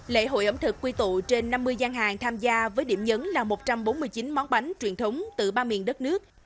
lễ hội ẩm thực quy tụ trên năm mươi gian hàng tham gia với điểm nhấn là một trăm bốn mươi chín món bánh truyền thống từ ba miền đất nước